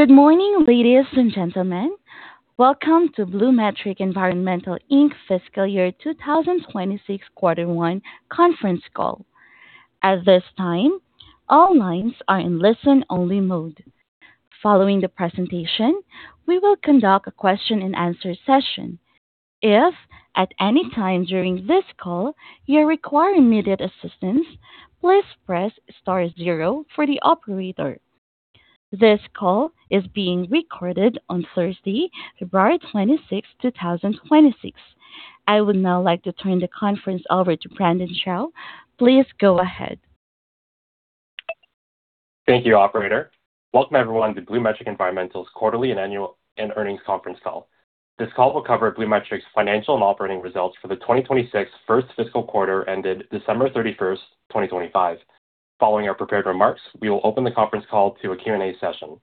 Good morning, ladies and gentlemen. Welcome to BluMetric Environmental Inc. Fiscal Year 2026 quarter 1 conference call. At this time, all lines are in listen-only mode. Following the presentation, we will conduct a question and answer session. If at any time during this call you require immediate assistance, please press star zero for the operator. This call is being recorded on Thursday, February 26, 2026. I would now like to turn the conference over to Brandon Chow. Please go ahead. Thank you, operator. Welcome everyone to BluMetric Environmental's quarterly and annual earnings conference call. This call will cover BluMetric's financial and operating results for the 2026 first fiscal quarter ended December 31, 2025. Following our prepared remarks, we will open the conference call to a Q&A session.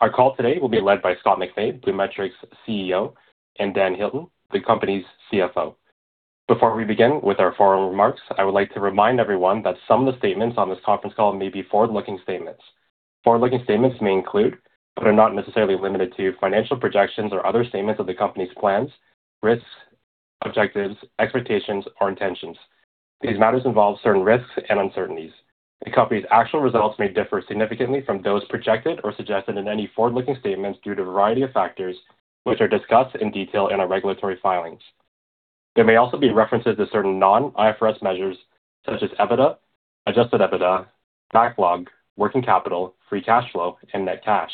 Our call today will be led by Scott MacFabe, BluMetric's CEO, and Dan Hilton, the company's CFO. Before we begin with our forward remarks, I would like to remind everyone that some of the statements on this conference call may be forward-looking statements. Forward-looking statements may include, but are not necessarily limited to, financial projections or other statements of the company's plans, risks, objectives, expectations, or intentions. These matters involve certain risks and uncertainties. The company's actual results may differ significantly from those projected or suggested in any forward-looking statements due to a variety of factors, which are discussed in detail in our regulatory filings. There may also be references to certain non-IFRS measures such as EBITDA, adjusted EBITDA, backlog, working capital, free cash flow, and net cash.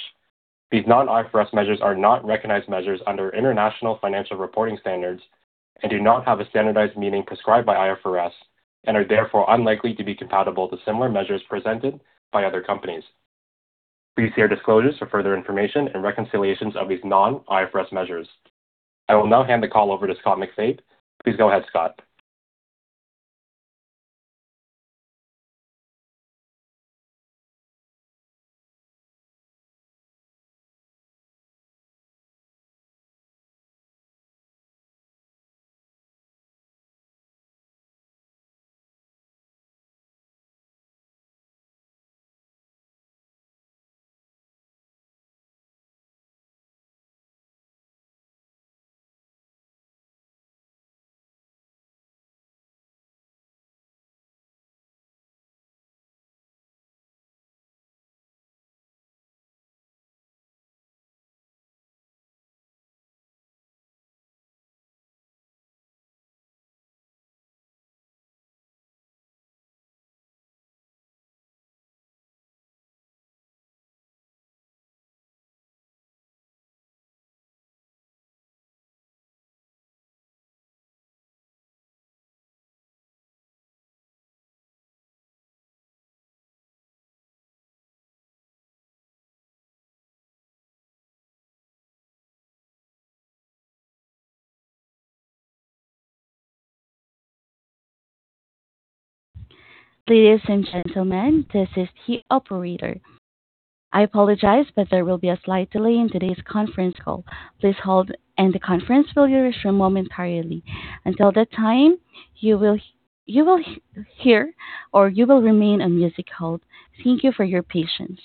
These non-IFRS measures are not recognized measures under International Financial Reporting Standards and do not have a standardized meaning prescribed by IFRS and are therefore unlikely to be compatible to similar measures presented by other companies. Please see our disclosures for further information and reconciliations of these non-IFRS measures. I will now hand the call over to Scott MacFabe. Please go ahead, Scott. Ladies and gentlemen, this is the operator. I apologize, there will be a slight delay in today's conference call. Please hold, the conference will resume momentarily. Until that time, you will hear or you will remain on music hold. Thank you for your patience.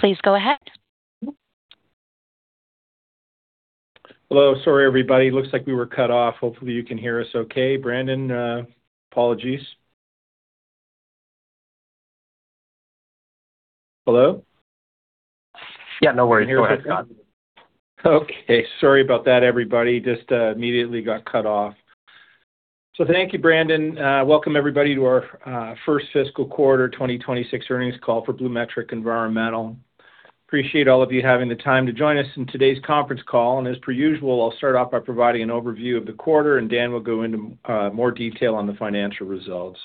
Please go ahead. Hello. Sorry, everybody. Looks like we were cut off. Hopefully, you can hear us okay. Brandon, apologies. Hello? Yeah, no worries. Go ahead, Scott. Okay, sorry about that, everybody. Just immediately got cut off. Thank you, Brandon. Welcome everybody to our first fiscal quarter, 2026 earnings call for BluMetric Environmental. Appreciate all of you having the time to join us in today's conference call, as per usual, I'll start off by providing an overview of the quarter, and Dan will go into more detail on the financial results.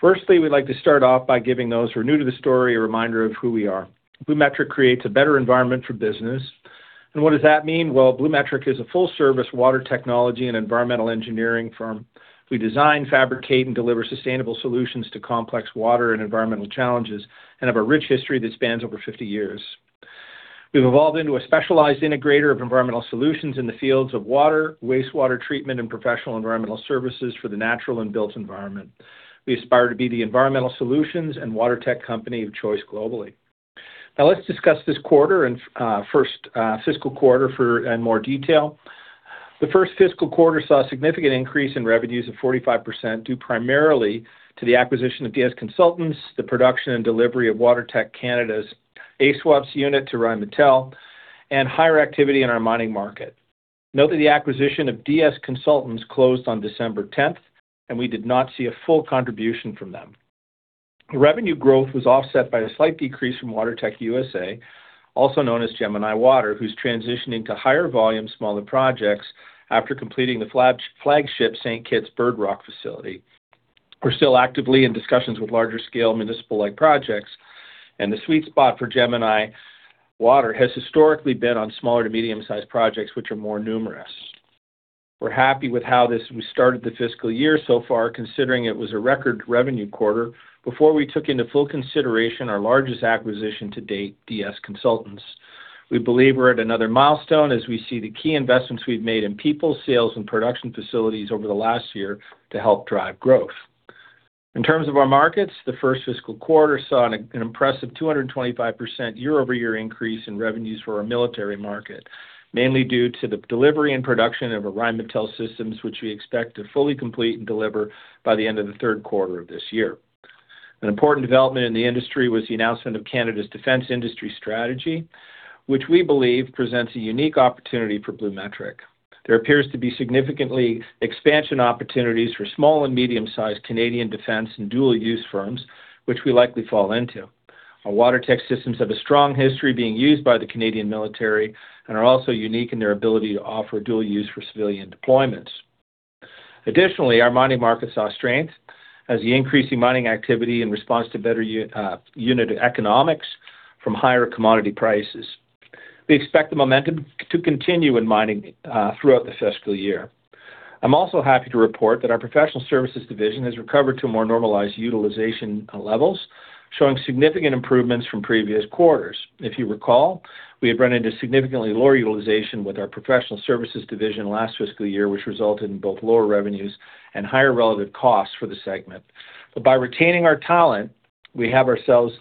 Firstly, we'd like to start off by giving those who are new to the story a reminder of who we are. BluMetric creates a better environment for business. What does that mean? Well, BluMetric is a full-service water technology and environmental engineering firm. We design, fabricate, and deliver sustainable solutions to complex water and environmental challenges and have a rich history that spans over 50 years. We've evolved into a specialized integrator of environmental solutions in the fields of water, wastewater treatment, and professional environmental services for the natural and built environment. We aspire to be the environmental solutions and WaterTech company of choice globally. Now, let's discuss this quarter and first fiscal quarter for in more detail. The first fiscal quarter saw a significant increase in revenues of 45%, due primarily to the acquisition of DS Consultants, the production and delivery of WaterTech Canada's ASUWPS unit to Rheinmetall, and higher activity in our mining market. Note that the acquisition of DS Consultants closed on December tenth, and we did not see a full contribution from them. Revenue growth was offset by a slight decrease from WaterTech USA, also known as Gemini Water, who's transitioning to higher volume, smaller projects after completing the flagship St. Kitts Bird Rock facility. We're still actively in discussions with larger scale municipal-like projects. The sweet spot for Gemini Water has historically been on smaller to medium-sized projects, which are more numerous. We're happy with how we started the fiscal year so far, considering it was a record revenue quarter before we took into full consideration our largest acquisition to date, DS Consultants. We believe we're at another milestone as we see the key investments we've made in people, sales, and production facilities over the last year to help drive growth. In terms of our markets, the first fiscal quarter saw an impressive 225% year-over-year increase in revenues for our military market, mainly due to the delivery and production of Rheinmetall systems, which we expect to fully complete and deliver by the end of the third quarter of this year. An important development in the industry was the announcement of Canada's Defence Industrial Strategy, which we believe presents a unique opportunity for BluMetric. There appears to be significantly expansion opportunities for small and medium-sized Canadian defense and dual use firms, which we likely fall into. Our WaterTech systems have a strong history being used by the Canadian military and are also unique in their ability to offer dual use for civilian deployments. Our mining market saw strength as the increasing mining activity in response to better unit economics from higher commodity prices. We expect the momentum to continue in mining throughout the fiscal year. I'm also happy to report that our professional services division has recovered to more normalized utilization levels, showing significant improvements from previous quarters. If you recall, we had run into significantly lower utilization with our professional services division last fiscal year, which resulted in both lower revenues and higher relative costs for the segment. By retaining our talent, we have ourselves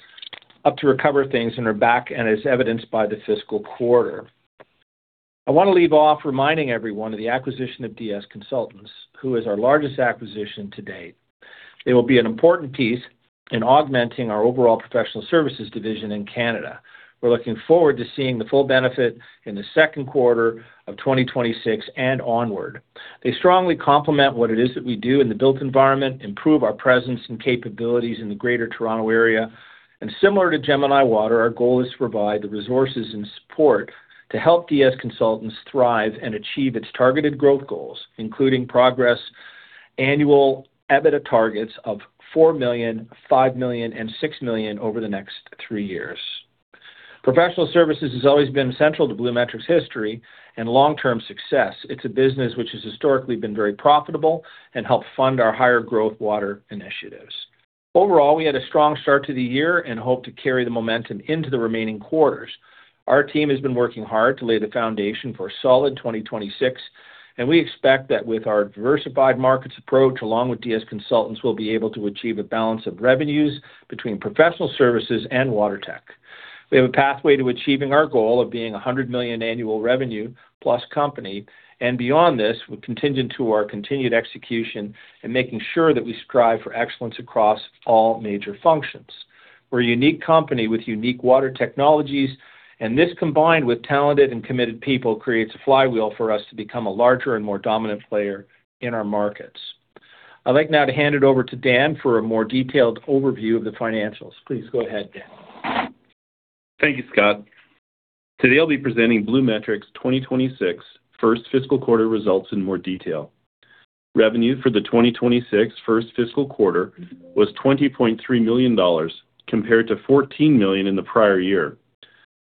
up to recover things and are back, and as evidenced by the fiscal quarter. I want to leave off reminding everyone of the acquisition of DS Consultants, who is our largest acquisition to date. It will be an important piece in augmenting our overall professional services division in Canada. We're looking forward to seeing the full benefit in the second quarter of 2026 and onward. They strongly complement what it is that we do in the built environment, improve our presence and capabilities in the Greater Toronto area. Similar to Gemini Water, our goal is to provide the resources and support to help DS Consultants thrive and achieve its targeted growth goals, including progress annual EBITDA targets of 4 million, 5 million, and 6 million over the next three years. Professional services has always been central to BluMetric's history and long-term success. It's a business which has historically been very profitable and helped fund our higher growth water initiatives. Overall, we had a strong start to the year and hope to carry the momentum into the remaining quarters. Our team has been working hard to lay the foundation for a solid 2026, and we expect that with our diversified markets approach, along with DS Consultants, we'll be able to achieve a balance of revenues between professional services and WaterTech. We have a pathway to achieving our goal of being a 100 million annual revenue plus company. Beyond this, we're contingent to our continued execution and making sure that we strive for excellence across all major functions. We're a unique company with unique water technologies. This, combined with talented and committed people, creates a flywheel for us to become a larger and more dominant player in our markets. I'd like now to hand it over to Dan for a more detailed overview of the financials. Please go ahead, Dan. Thank you, Scott. Today, I'll be presenting BluMetric's 2026 first fiscal quarter results in more detail. Revenue for the 2026 first fiscal quarter was 20.3 million dollars, compared to 14 million in the prior year.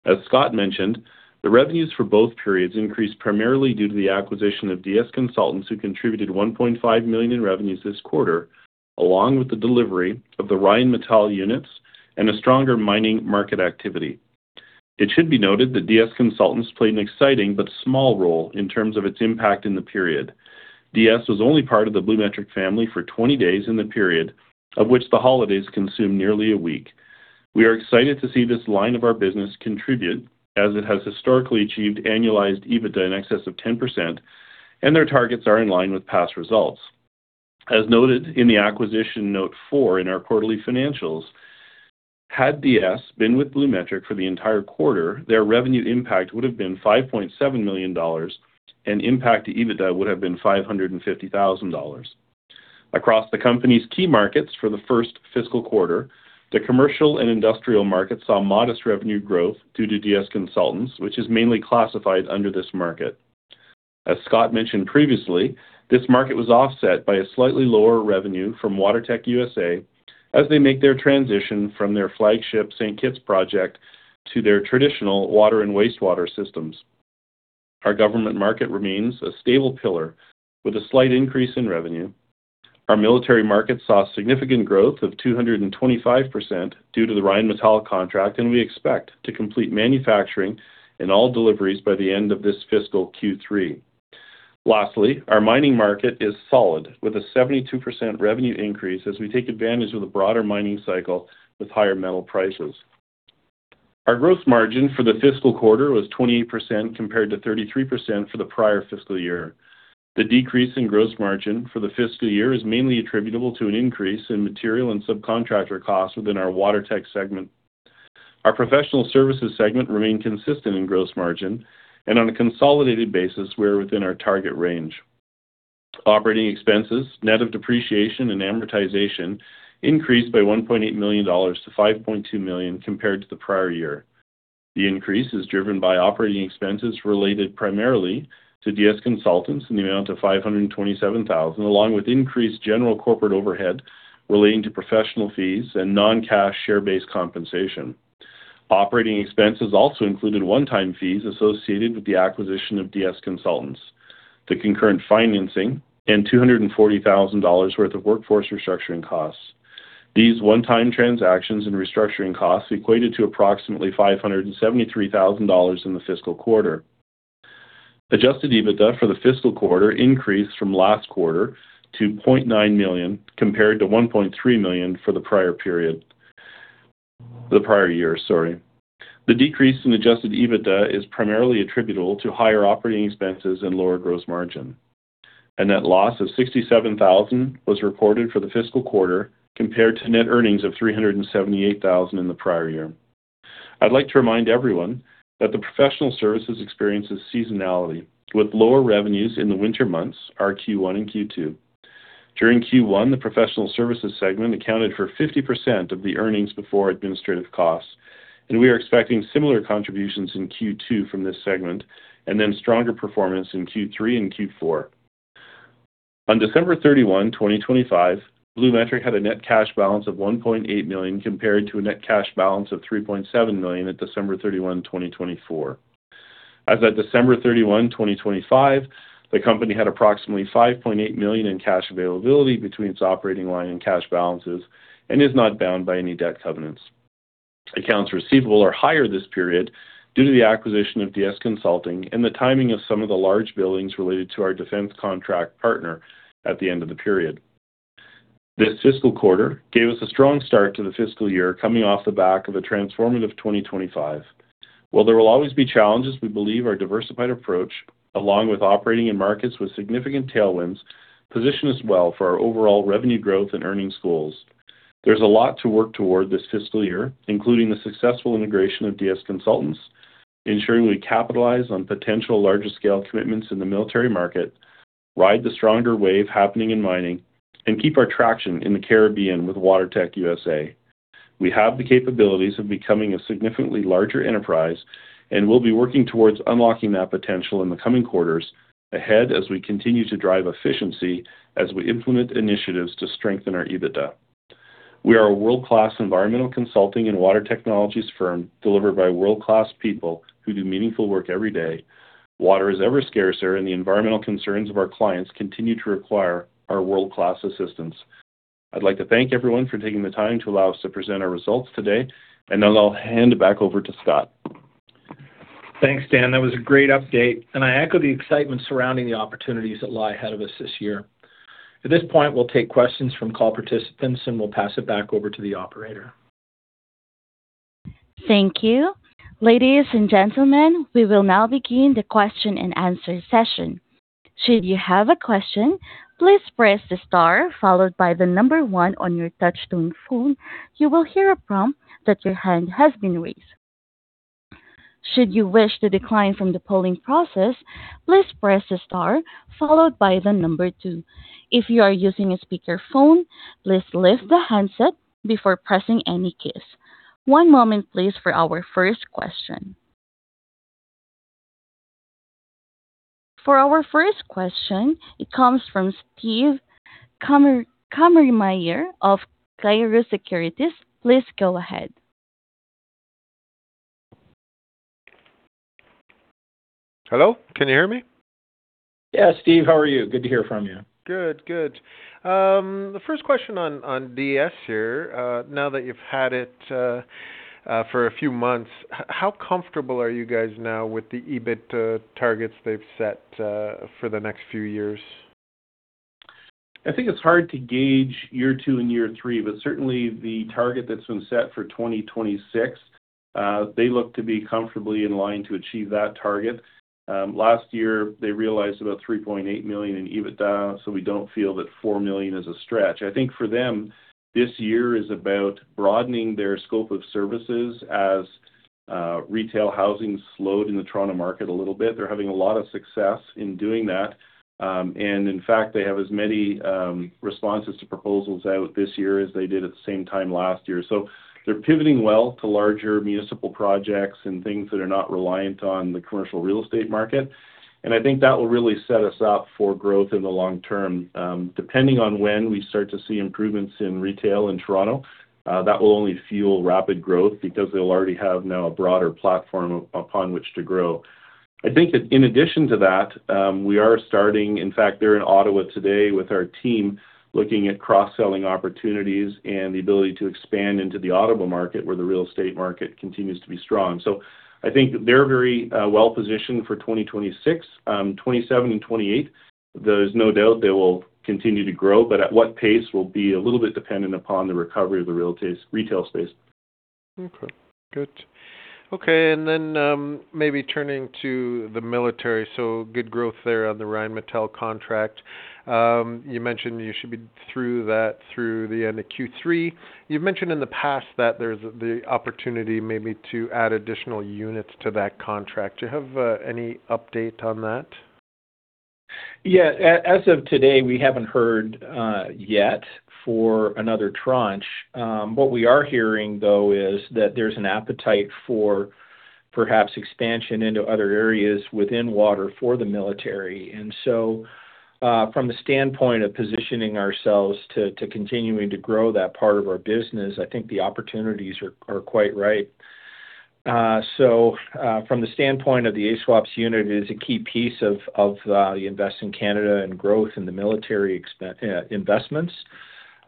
As Scott mentioned, the revenues for both periods increased primarily due to the acquisition of DS Consultants, who contributed 1.5 million in revenues this quarter, along with the delivery of the Rheinmetall units and a stronger mining market activity. It should be noted that DS Consultants played an exciting but small role in terms of its impact in the period. DS was only part of the BluMetric family for 20 days in the period, of which the holidays consumed nearly a week. We are excited to see this line of our business contribute, as it has historically achieved annualized EBITDA in excess of 10%, their targets are in line with past results. As noted in the acquisition, note 4 in our quarterly financials, had DS been with BluMetric for the entire quarter, their revenue impact would have been 5.7 million dollars, and impact to EBITDA would have been 550,000 dollars. Across the company's key markets for the first fiscal quarter, the commercial and industrial markets saw modest revenue growth due to DS Consultants, which is mainly classified under this market. As Scott mentioned previously, this market was offset by a slightly lower revenue from WaterTech USA as they make their transition from their flagship St. Kitts project to their traditional water and wastewater systems. Our government market remains a stable pillar with a slight increase in revenue. Our military market saw significant growth of 225% due to the Rheinmetall contract. We expect to complete manufacturing and all deliveries by the end of this fiscal Q3. Lastly, our mining market is solid, with a 72% revenue increase as we take advantage of the broader mining cycle with higher metal prices. Our gross margin for the fiscal quarter was 28%, compared to 33% for the prior fiscal year. The decrease in gross margin for the fiscal year is mainly attributable to an increase in material and subcontractor costs within our WaterTech segment. Our professional services segment remained consistent in gross margin. On a consolidated basis, we're within our target range. Operating expenses, net of depreciation and amortization, increased by 1.8 million dollars to 5.2 million compared to the prior year. The increase is driven by operating expenses related primarily to DS Consultants in the amount of 527,000, along with increased general corporate overhead relating to professional fees and non-cash share-based compensation. Operating expenses also included one-time fees associated with the acquisition of DS Consultants, the concurrent financing, and 240,000 dollars worth of workforce restructuring costs. These one-time transactions and restructuring costs equated to approximately 573,000 dollars in the fiscal quarter. Adjusted EBITDA for the fiscal quarter increased from last quarter to 0.9 million, compared to 1.3 million for the prior period. The prior year, sorry. The decrease in adjusted EBITDA is primarily attributable to higher operating expenses and lower gross margin. A net loss of 67,000 was reported for the fiscal quarter, compared to net earnings of 378,000 in the prior year. I'd like to remind everyone that the professional services experiences seasonality, with lower revenues in the winter months, our Q1 and Q2. During Q1, the professional services segment accounted for 50% of the earnings before administrative costs, and we are expecting similar contributions in Q2 from this segment and then stronger performance in Q3 and Q4. On December 31, 2025, BluMetric had a net cash balance of 1.8 million, compared to a net cash balance of 3.7 million at December 31, 2024. As at December 31, 2025, the company had approximately 5.8 million in cash availability between its operating line and cash balances and is not bound by any debt covenants. Accounts receivable are higher this period due to the acquisition of DS Consultants and the timing of some of the large billings related to our defense contract partner at the end of the period. This fiscal quarter gave us a strong start to the fiscal year, coming off the back of a transformative 2025. While there will always be challenges, we believe our diversified approach, along with operating in markets with significant tailwinds, position us well for our overall revenue growth and earnings goals. There's a lot to work toward this fiscal year, including the successful integration of DS Consultants, ensuring we capitalize on potential larger scale commitments in the military market, ride the stronger wave happening in mining, and keep our traction in the Caribbean with WaterTech USA. We have the capabilities of becoming a significantly larger enterprise. We'll be working towards unlocking that potential in the coming quarters ahead as we continue to drive efficiency as we implement initiatives to strengthen our EBITDA. We are a world-class environmental consulting and water technologies firm, delivered by world-class people who do meaningful work every day. Water is ever scarcer. The environmental concerns of our clients continue to require our world-class assistance. I'd like to thank everyone for taking the time to allow us to present our results today. Now I'll hand it back over to Scott. Thanks, Dan. That was a great update, and I echo the excitement surrounding the opportunities that lie ahead of us this year. At this point, we'll take questions from call participants, and we'll pass it back over to the operator. Thank you. Ladies and gentlemen, we will now begin the question-and-answer session. Should you have a question, please press the star followed by 1 on your touch-tone phone. You will hear a prompt that your hand has been raised. Should you wish to decline from the polling process, please press the star followed by 2. If you are using a speakerphone, please lift the handset before pressing any keys. One moment, please, for our first question. For our first question, it comes from Steve Kammermayer of Clarus Securities. Please go ahead. Hello, can you hear me? Yeah, Steve, how are you? Good to hear from you. Good, good. The first question on DS here. Now that you've had it for a few months, how comfortable are you guys now with the EBIT targets they've set for the next few years? I think it's hard to gauge year 2 and year 3. Certainly, the target that's been set for 2026, they look to be comfortably in line to achieve that target. Last year, they realized about $3.8 million in EBITDA. We don't feel that $4 million is a stretch. I think for them, this year is about broadening their scope of services as retail housing slowed in the Toronto market a little bit. They're having a lot of success in doing that. And in fact, they have as many responses to proposals out this year as they did at the same time last year. They're pivoting well to larger municipal projects and things that are not reliant on the commercial real estate market. I think that will really set us up for growth in the long term. Depending on when we start to see improvements in retail in Toronto, that will only fuel rapid growth because they'll already have now a broader platform upon which to grow. I think in addition to that, we are starting. In fact, they're in Ottawa today with our team, looking at cross-selling opportunities and the ability to expand into the Ottawa market, where the real estate market continues to be strong. I think they're very well-positioned for 2026. 2027 and 2028, there's no doubt they will continue to grow, but at what pace will be a little bit dependent upon the recovery of the retail space. Okay, good. Maybe turning to the military. Good growth there on the Rheinmetall contract. You mentioned you should be through that through the end of Q3. You've mentioned in the past that there's the opportunity maybe to add additional units to that contract. Do you have any update on that? Yeah, as of today, we haven't heard yet for another tranche. What we are hearing, though, is that there's an appetite for perhaps expansion into other areas within water for the military. From the standpoint of positioning ourselves to continuing to grow that part of our business, I think the opportunities are quite right. From the standpoint of the ASUWPS unit, it is a key piece of the Invest in Canada and growth in the military investments.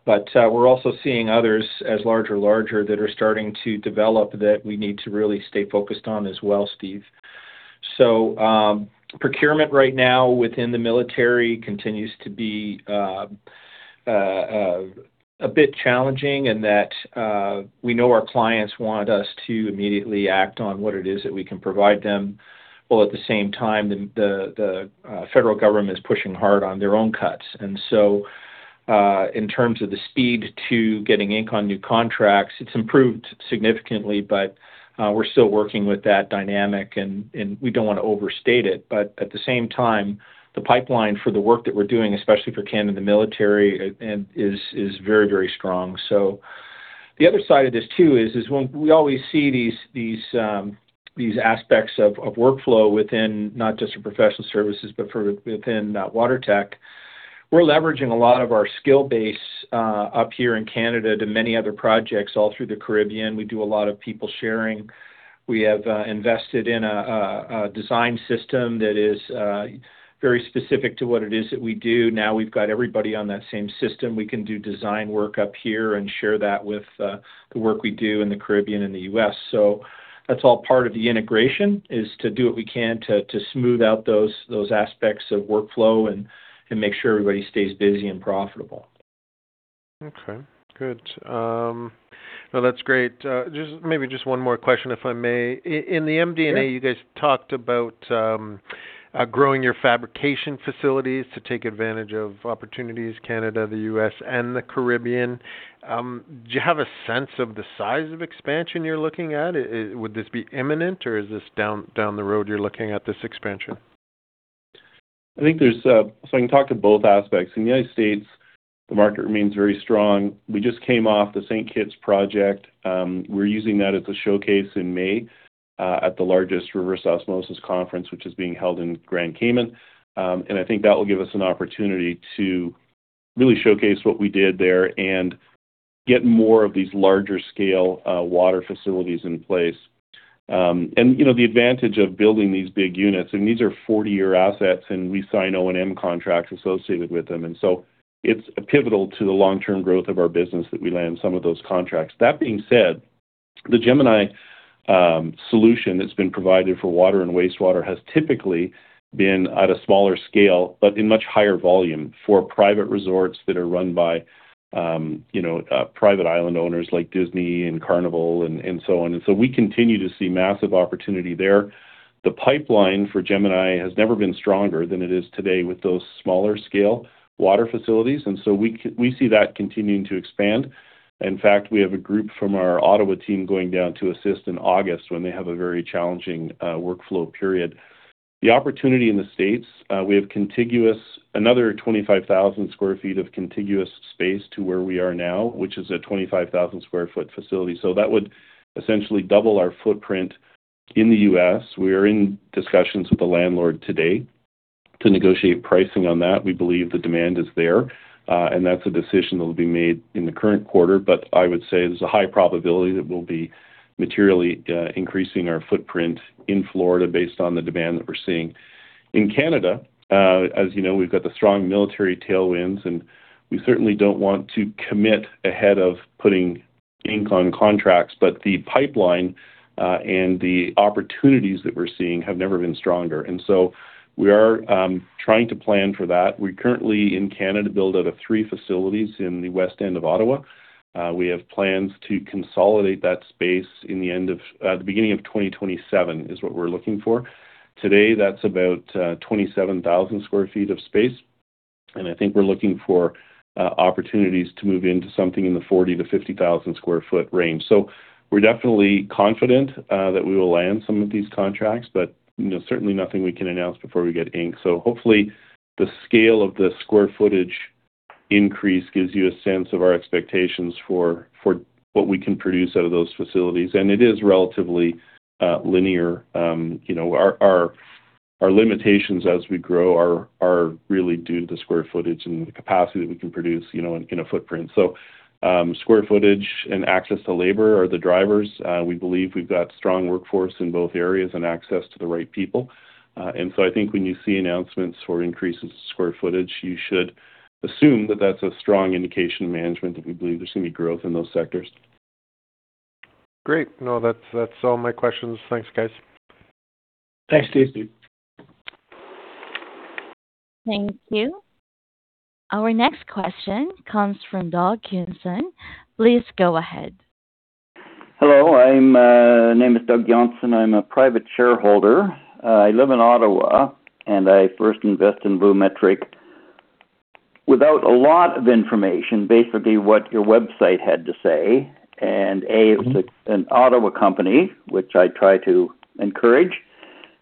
We're also seeing others as larger that are starting to develop, that we need to really stay focused on as well, Steve. Procurement right now within the military continues to be a bit challenging in that we know our clients want us to immediately act on what it is that we can provide them, while at the same time, the federal government is pushing hard on their own cuts. In terms of the speed to getting ink on new contracts, it's improved significantly, but we're still working with that dynamic and we don't want to overstate it. The pipeline for the work that we're doing, especially for Canada and the military, and is very, very strong. The other side of this, too, is when we always see these aspects of workflow within not just the professional services, but for within WaterTech. We're leveraging a lot of our skill base, up here in Canada to many other projects all through the Caribbean. We do a lot of people sharing. We have invested in a design system that is very specific to what it is that we do. Now we've got everybody on that same system. We can do design work up here and share that with the work we do in the Caribbean and the U.S. That's all part of the integration, is to do what we can to smooth out those aspects of workflow and make sure everybody stays busy and profitable. Okay, good. now that's great. Just maybe one more question, if I may. In the MD&A. Sure. You guys talked about, growing your fabrication facilities to take advantage of opportunities, Canada, the U.S., and the Caribbean. Do you have a sense of the size of expansion you're looking at? Would this be imminent or is this down the road, you're looking at this expansion? I can talk to both aspects. In the United States, the market remains very strong. We just came off the St. Kitts project. We're using that as a showcase in May at the largest reverse osmosis conference, which is being held in Grand Cayman. I think that will give us an opportunity to really showcase what we did there and get more of these larger scale water facilities in place. You know, the advantage of building these big units, and these are 40-year assets, and we sign O&M contracts associated with them. It's pivotal to the long-term growth of our business that we land some of those contracts. That being said, the Gemini solution that's been provided for water and wastewater has typically been at a smaller scale, but in much higher volume for private resorts that are run by, you know, private island owners like Disney and Carnival and so on. We continue to see massive opportunity there. The pipeline for Gemini has never been stronger than it is today with those smaller scale water facilities, and so we see that continuing to expand. In fact, we have a group from our Ottawa team going down to assist in August when they have a very challenging workflow period. The opportunity in the States, we have another 25,000 sq ft of contiguous space to where we are now, which is a 25,000 sq ft facility. That would essentially double our footprint in the U.S. We are in discussions with the landlord today to negotiate pricing on that. We believe the demand is there, and that's a decision that will be made in the current quarter. I would say there's a high probability that we'll be materially increasing our footprint in Florida based on the demand that we're seeing. In Canada, as you know, we've got the strong military tailwinds, and we certainly don't want to commit ahead of putting ink on contracts. The pipeline, and the opportunities that we're seeing have never been stronger, we are trying to plan for that. We currently, in Canada, build out of three facilities in the west end of Ottawa. We have plans to consolidate that space in the beginning of 2027, is what we're looking for. Today, that's about 27,000 sq ft of space, and I think we're looking for opportunities to move into something in the 40,000-50,000 sq ft range. We're definitely confident that we will land some of these contracts, but, you know, certainly nothing we can announce before we get ink. Hopefully, the scale of the square footage increase gives you a sense of our expectations for what we can produce out of those facilities. It is relatively linear. You know, our limitations as we grow are really due to the square footage and the capacity that we can produce, you know, in a footprint. Square footage and access to labor are the drivers. We believe we've got strong workforce in both areas and access to the right people. I think when you see announcements for increases in square footage, you should assume that that's a strong indication of management, that we believe there's going to be growth in those sectors. Great. No, that's all my questions. Thanks, guys. Thanks, Steve. Thank you. Our next question comes from Doug Johnson. Please go ahead. Hello, I'm name is Doug Johnson. I'm a private shareholder. I live in Ottawa. I first invest in BluMetric without a lot of information, basically what your website had to say. A, it was an Ottawa company, which I try to encourage.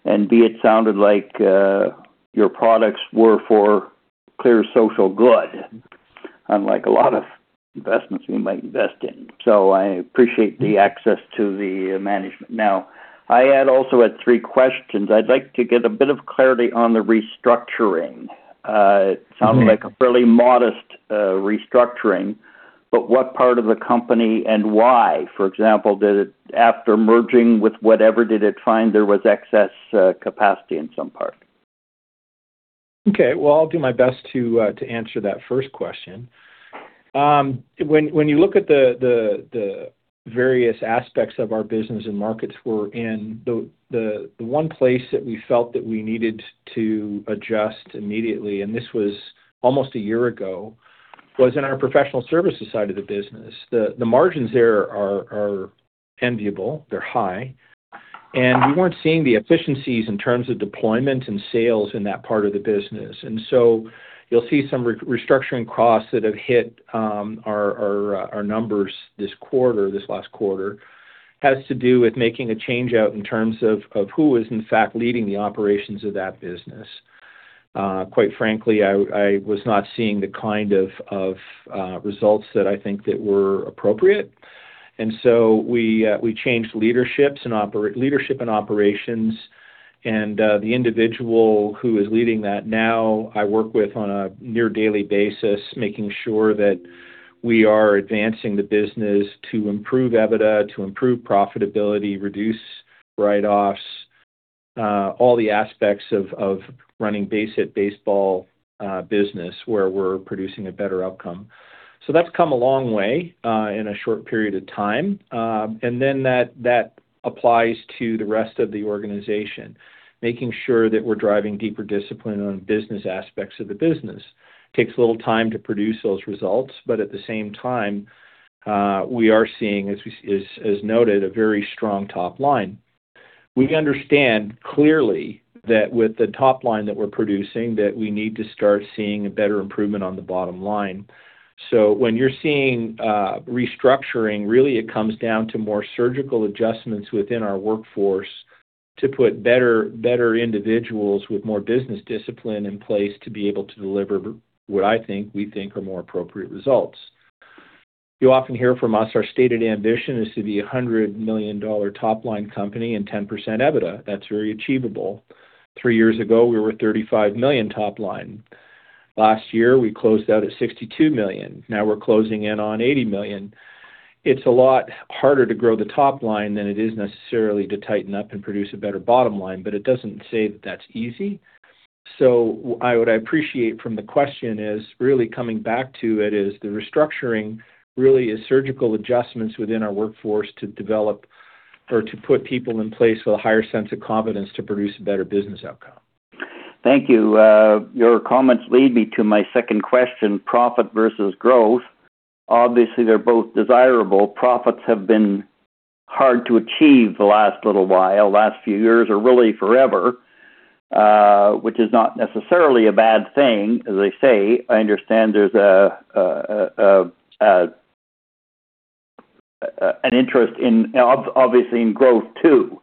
B, it sounded like your products were for clear social good, unlike a lot of investments we might invest in. I appreciate the access to the management. I had also had three questions. I'd like to get a bit of clarity on the restructuring. Mm-hmm. Sounds like a fairly modest restructuring, but what part of the company and why, for example, did it after merging with whatever, did it find there was excess capacity in some part? Okay, well, I'll do my best to answer that first question. When you look at the various aspects of our business and markets we're in, the one place that we felt that we needed to adjust immediately, this was almost a year ago, was in our professional services side of the business. The margins there are enviable, they're high, we weren't seeing the efficiencies in terms of deployment and sales in that part of the business. You'll see some restructuring costs that have hit our numbers this quarter, this last quarter. Has to do with making a change out in terms of who is, in fact, leading the operations of that business. Quite frankly, I was not seeing the kind of results that I think that were appropriate, and so we changed leaderships and leadership and operations. The individual who is leading that now, I work with on a near-daily basis, making sure that we are advancing the business to improve EBITDA, to improve profitability, reduce write-offs, all the aspects of running base hit baseball, business, where we're producing a better outcome. That's come a long way in a short period of time, and then that applies to the rest of the organization. Making sure that we're driving deeper discipline on business aspects of the business. Takes a little time to produce those results, but at the same time, we are seeing, as noted, a very strong top line. We understand clearly that with the top line that we're producing, that we need to start seeing a better improvement on the bottom line. When you're seeing restructuring, really it comes down to more surgical adjustments within our workforce to put better individuals with more business discipline in place to be able to deliver what we think are more appropriate results. You often hear from us, our stated ambition is to be a hundred million dollar top-line company and 10% EBITDA. That's very achievable. Three years ago, we were 35 million top line. Last year, we closed out at 62 million. Now we're closing in on 80 million. It's a lot harder to grow the top line than it is necessarily to tighten up and produce a better bottom line, but it doesn't say that that's easy. What I appreciate from the question is really coming back to it, is the restructuring really is surgical adjustments within our workforce to develop or to put people in place with a higher sense of confidence to produce a better business outcome. Thank you. Your comments lead me to my second question: profit versus growth. Obviously, they're both desirable. Profits have been hard to achieve the last little while, last few years, or really forever, which is not necessarily a bad thing, as they say. I understand there's a, an interest in obviously in growth, too.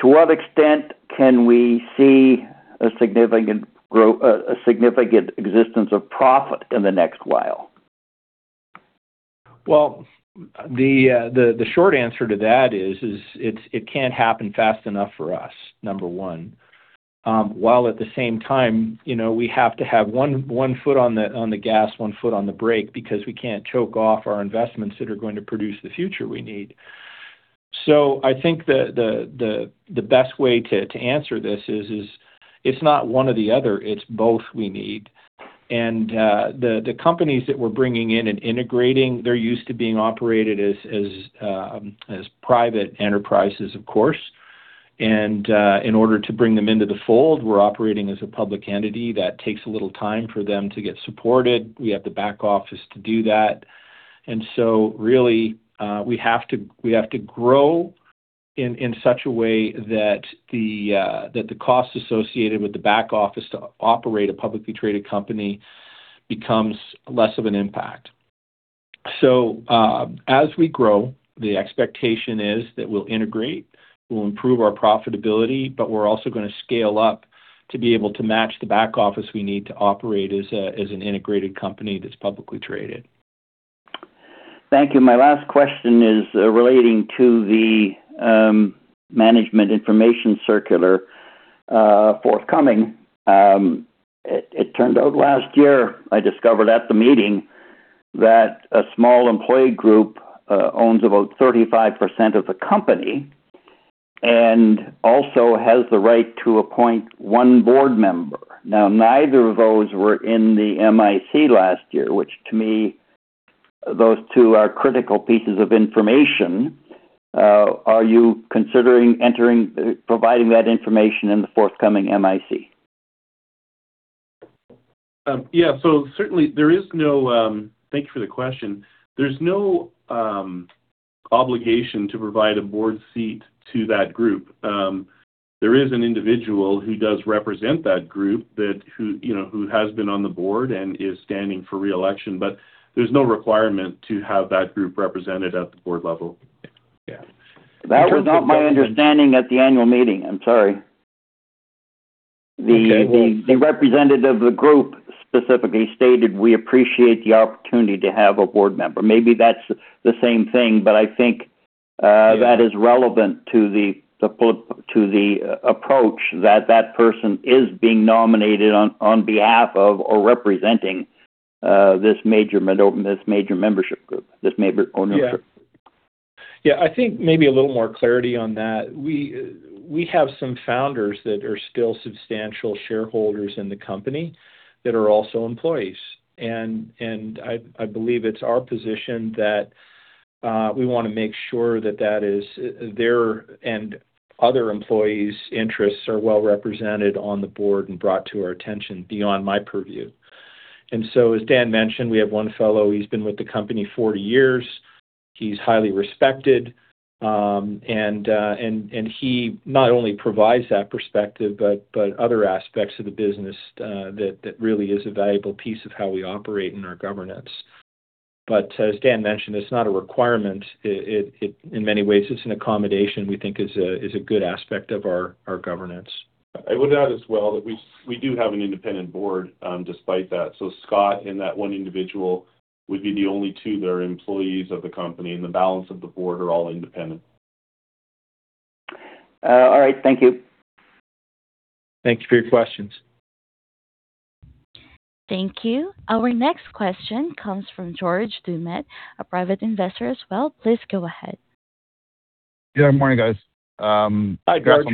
To what extent can we see a significant existence of profit in the next while? Well, the short answer to that is, it can't happen fast enough for us, number one. While at the same time, you know, we have to have one foot on the gas, one foot on the brake, because we can't choke off our investments that are going to produce the future we need. I think the best way to answer this is, it's not one or the other, it's both we need. The companies that we're bringing in and integrating, they're used to being operated as private enterprises, of course. In order to bring them into the fold, we're operating as a public entity. That takes a little time for them to get supported. We have the back office to do that. Really, we have to grow in such a way that the costs associated with the back office to operate a publicly traded company becomes less of an impact. As we grow, the expectation is that we'll integrate, we'll improve our profitability, but we're also gonna scale up to be able to match the back office we need to operate as an integrated company that's publicly traded. Thank you. My last question is, relating to the management information circular, forthcoming. It turned out last year, I discovered at the meeting, that a small employee group, owns about 35% of the company and also has the right to appoint 1 board member. Neither of those were in the MIC last year, which to me, those 2 are critical pieces of information. Are you considering providing that information in the forthcoming MIC? Yeah. certainly there is no. Thank you for the question. There's no...obligation to provide a board seat to that group. There is an individual who does represent that group who, you know, who has been on the board and is standing for re-election. There's no requirement to have that group represented at the board level. Yeah. That was not my understanding at the annual meeting. I'm sorry. Okay. The representative of the group specifically stated, "We appreciate the opportunity to have a board member." Maybe that's the same thing, but I think that is relevant to the approach that that person is being nominated on behalf of or representing, this major membership group, this major owner group. Yeah. Yeah, I think maybe a little more clarity on that. We have some founders that are still substantial shareholders in the company that are also employees. I believe it's our position that we wanna make sure that is, their and other employees' interests are well represented on the board and brought to our attention beyond my purview. As Dan mentioned, we have one fellow, he's been with the company 40 years. He's highly respected, and he not only provides that perspective but other aspects of the business that really is a valuable piece of how we operate in our governance. As Dan mentioned, it's not a requirement. It, in many ways, it's an accommodation we think is a good aspect of our governance. I would add as well that we do have an independent board despite that. Scott and that one individual would be the only two that are employees of the company, and the balance of the board are all independent. Alright. Thank you. Thank you for your questions. Thank you. Our next question comes from George Dumit, a private investor as well. Please go ahead. Yeah, good morning, guys. Hi, George.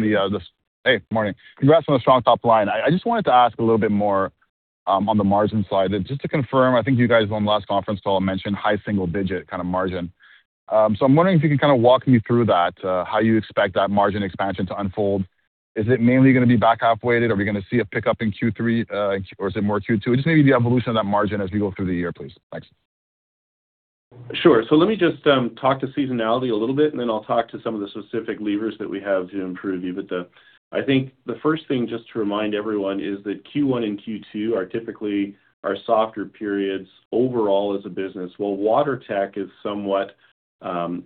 Hey, good morning. Congrats on the strong top line. I just wanted to ask a little bit more on the margin side. Just to confirm, I think you guys, on the last conference call, mentioned high single-digit kind of margin. I'm wondering if you can kinda walk me through that, how you expect that margin expansion to unfold. Is it mainly gonna be back half-weighted, or are we gonna see a pickup in Q3, or is it more Q2? Just maybe the evolution of that margin as we go through the year, please. Thanks. Sure. Let me just talk to seasonality a little bit, and then I'll talk to some of the specific levers that we have to improve EBITDA. I think the first thing, just to remind everyone, is that Q1 and Q2 are typically our softer periods overall as a business. While WaterTech is somewhat, you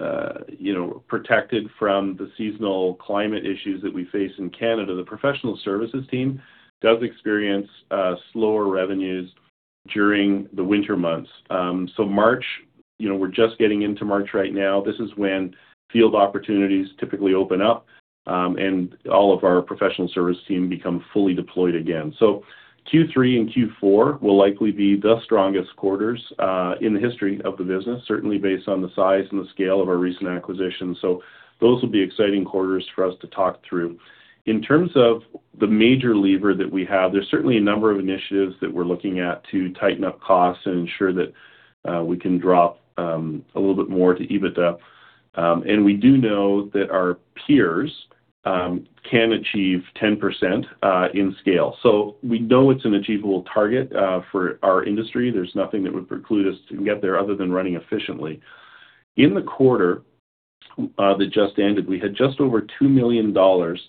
know, protected from the seasonal climate issues that we face in Canada, the professional services team does experience slower revenues during the winter months. March, you know, we're just getting into March right now. This is when field opportunities typically open up, and all of our professional service team become fully deployed again. Q3 and Q4 will likely be the strongest quarters in the history of the business, certainly based on the size and the scale of our recent acquisitions. Those will be exciting quarters for us to talk through. In terms of the major lever that we have, there's certainly a number of initiatives that we're looking at to tighten up costs and ensure that we can drop a little bit more to EBITDA. We do know that our peers can achieve 10% in scale. We know it's an achievable target for our industry. There's nothing that would preclude us to get there other than running efficiently. In the quarter that just ended, we had just over 2 million dollars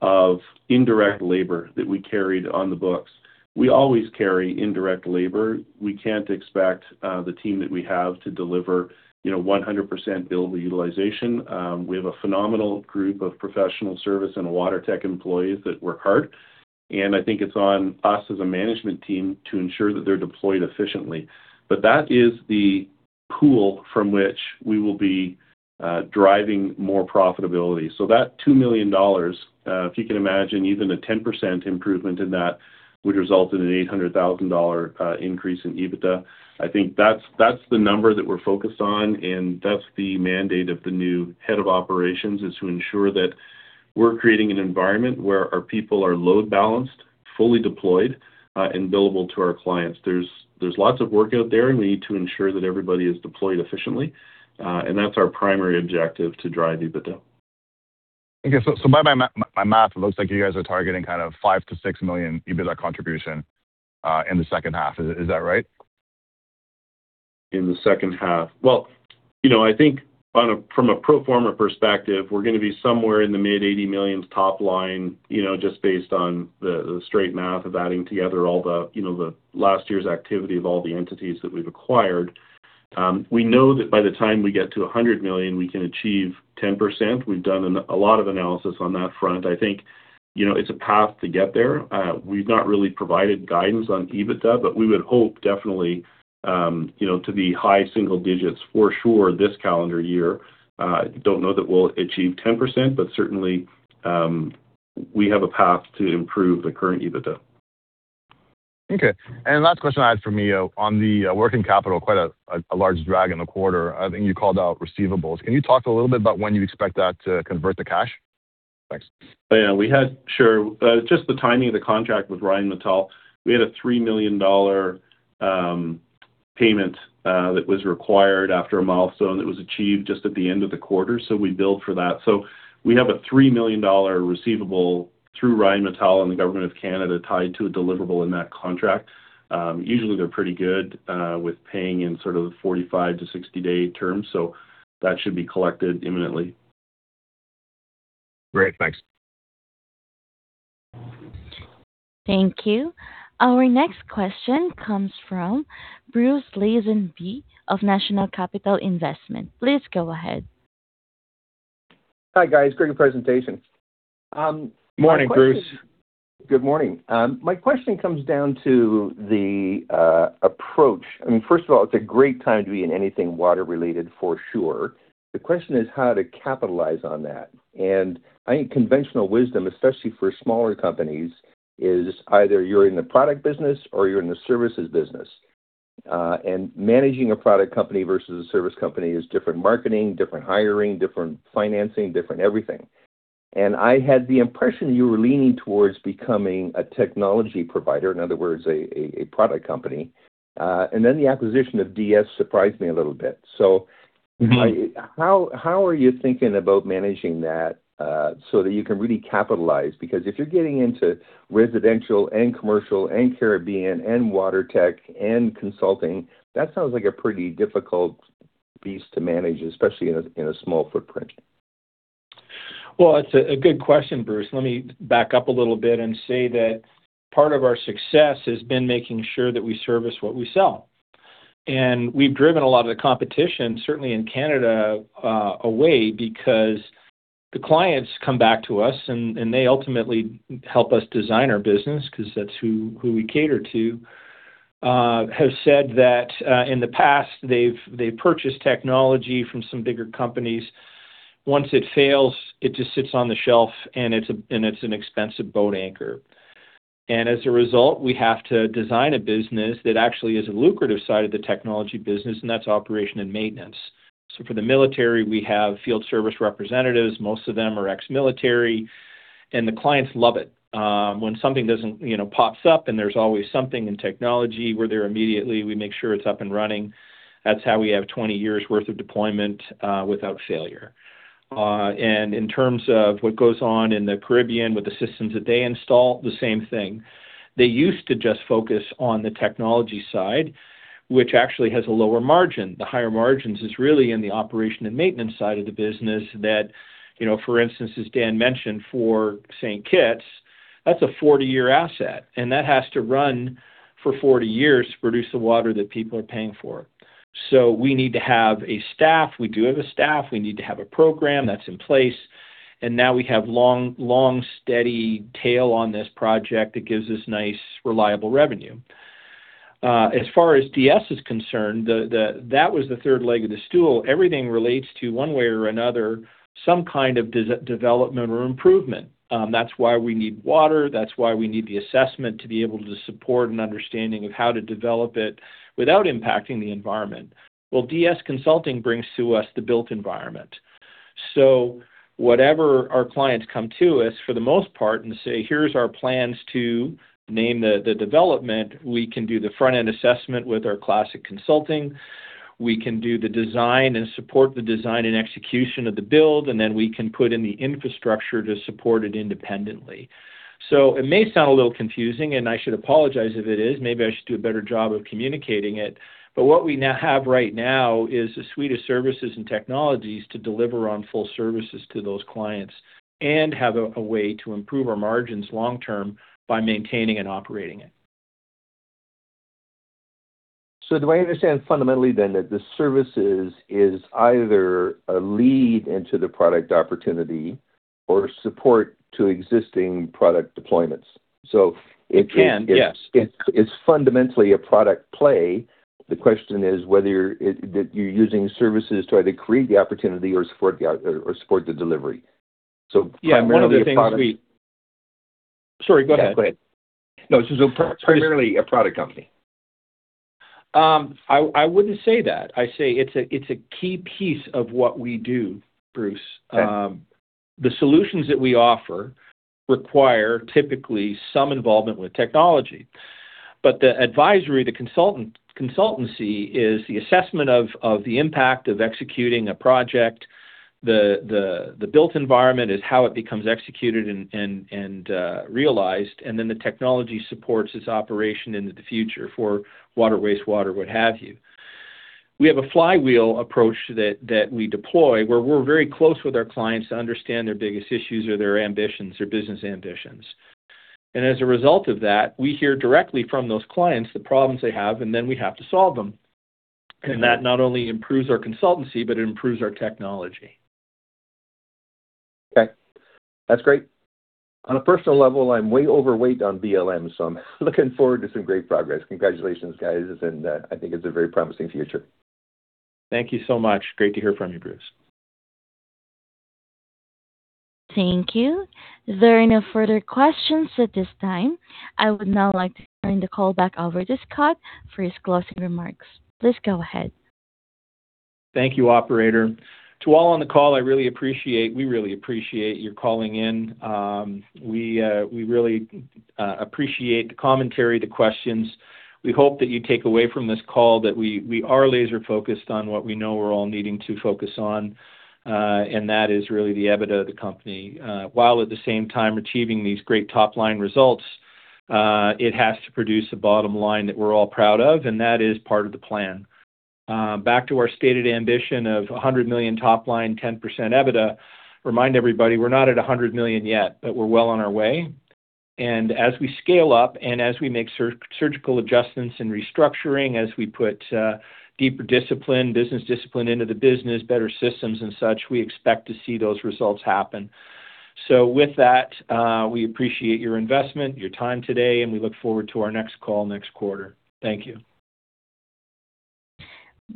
of indirect labor that we carried on the books. We always carry indirect labor. We can't expect the team that we have to deliver, you know, 100% bill utilization. We have a phenomenal group of professional service and WaterTech employees that work hard, and I think it's on us as a management team to ensure that they're deployed efficiently. That is the pool from which we will be driving more profitability. That 2 million dollars, if you can imagine even a 10% improvement in that, would result in a 800,000 dollar increase in EBITDA. I think that's the number that we're focused on, and that's the mandate of the new head of operations, is to ensure that we're creating an environment where our people are load balanced, fully deployed, and billable to our clients. There's lots of work out there, and we need to ensure that everybody is deployed efficiently, and that's our primary objective to drive EBITDA. Okay. By my math, it looks like you guys are targeting kind of 5 million-6 million EBITDA contribution in the second half. Is that right? In the second half? you know, I think from a pro forma perspective, we're gonna be somewhere in the mid 80 million top line, you know, just based on the straight math of adding together all the, you know, the last year's activity of all the entities that we've acquired. We know that by the time we get to 100 million, we can achieve 10%. We've done a lot of analysis on that front. I think, you know, it's a path to get there. We've not really provided guidance on EBITDA, but we would hope definitely, you know, to be high single digits for sure this calendar year. Don't know that we'll achieve 10%, but certainly, we have a path to improve the current EBITDA. Okay. Last question I had for me, on the working capital, quite a large drag in the quarter. I think you called out receivables. Can you talk a little bit about when you expect that to convert to cash? Thanks. Yeah, we had. Sure. Just the timing of the contract with Rheinmetall, we had a 3 million dollar payment that was required after a milestone that was achieved just at the end of the quarter, so we billed for that. We have a 3 million dollar receivable through Rheinmetall and the government of Canada tied to a deliverable in that contract. Usually they're pretty good with paying in sort of 45-60-day terms, so that should be collected imminently. Great. Thanks. Thank you. Our next question comes from Bruce Lazenby of National Capital Investment. Please go ahead. Hi, guys. Great presentation. Morning, Bruce. Good morning. My question comes down to the approach. I mean, first of all, it's a great time to be in anything water-related for sure. The question is how to capitalize on that. I think conventional wisdom, especially for smaller companies, is either you're in the product business or you're in the services business. Managing a product company versus a service company is different marketing, different hiring, different financing, different everything. I had the impression you were leaning towards becoming a technology provider, in other words, a product company. Then the acquisition of DS surprised me a little bit. Mm-hmm. How are you thinking about managing that so that you can really capitalize? If you're getting into residential and commercial and Caribbean and WaterTech and consulting, that sounds like a pretty difficult piece to manage, especially in a small footprint. Well, it's a good question, Bruce. Let me back up a little bit and say that part of our success has been making sure that we service what we sell. We've driven a lot of the competition, certainly in Canada, away because the clients come back to us, and they ultimately help us design our business, 'cause that's who we cater to. Have said that in the past, they've purchased technology from some bigger companies. Once it fails, it just sits on the shelf, and it's an expensive boat anchor. As a result, we have to design a business that actually is a lucrative side of the technology business, and that's operation and maintenance. For the military, we have field service representatives. Most of them are ex-military, and the clients love it. When something doesn't, you know, pops up, and there's always something in technology, we're there immediately. We make sure it's up and running. That's how we have 20 years' worth of deployment without failure. In terms of what goes on in the Caribbean with the systems that they install, the same thing. They used to just focus on the technology side, which actually has a lower margin. The higher margins is really in the operation and maintenance side of the business that, you know, for instance, as Dan mentioned, for St. Kitts, that's a 40-year asset, and that has to run for 40 years to produce the water that people are paying for. We need to have a staff. We do have a staff. We need to have a program that's in place. Now we have long, steady tail on this project that gives us nice, reliable revenue. As far as DS is concerned, that was the third leg of the stool. Everything relates to, one way or another, some kind of development or improvement. That's why we need water, that's why we need the assessment to be able to support an understanding of how to develop it without impacting the environment. Well, DS Consultants brings to us the built environment. Whatever our clients come to us, for the most part, and say, "Here's our plans to name the development," we can do the front-end assessment with our classic consulting, we can do the design and support the design and execution of the build, and then we can put in the infrastructure to support it independently. It may sound a little confusing, and I should apologize if it is. Maybe I should do a better job of communicating it, but what we now have right now is a suite of services and technologies to deliver on full services to those clients and have a way to improve our margins long term by maintaining and operating it. do I understand fundamentally then, that the services is either a lead into the product opportunity or support to existing product deployments? Yes. It's fundamentally a product play. The question is whether you're that you're using services to either create the opportunity or support the delivery. Yeah, one of the things... Primarily a product. Sorry, go ahead. Yeah, go ahead. No, so primarily a product company. I wouldn't say that. I'd say it's a, it's a key piece of what we do, Bruce. Okay. The solutions that we offer require typically some involvement with technology. The advisory, the consultancy is the assessment of the impact of executing a project. The built environment is how it becomes executed and realized, and then the technology supports its operation into the future for water, wastewater, what have you. We have a flywheel approach that we deploy, where we're very close with our clients to understand their biggest issues or their ambitions, their business ambitions. As a result of that, we hear directly from those clients the problems they have, and then we have to solve them. Okay. That not only improves our consultancy, but it improves our technology. Okay. That's great. On a personal level, I'm way overweight on BLM. I'm looking forward to some great progress. Congratulations, guys. I think it's a very promising future. Thank you so much. Great to hear from you, Bruce. Thank you. If there are no further questions at this time, I would now like to turn the call back over to Scott for his closing remarks. Please go ahead. Thank you, operator. To all on the call, we really appreciate your calling in. We really appreciate the commentary, the questions. We hope that you take away from this call that we are laser focused on what we know we're all needing to focus on, and that is really the EBITDA of the company. While at the same time achieving these great top-line results, it has to produce a bottom line that we're all proud of, and that is part of the plan. Back to our stated ambition of 100 million top line, 10% EBITDA. Remind everybody, we're not at 100 million yet, but we're well on our way. As we scale up and as we make surgical adjustments and restructuring, as we put deeper discipline, business discipline into the business, better systems, and such, we expect to see those results happen. With that, we appreciate your investment, your time today, and we look forward to our next call next quarter. Thank you.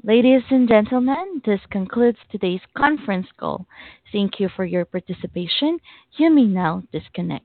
Ladies and gentlemen, this concludes today's conference call. Thank you for your participation. You may now disconnect.